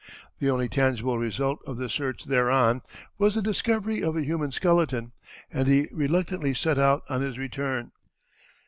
The only tangible result of the search thereon was the discovery of a human skeleton, and he reluctantly set out on his return.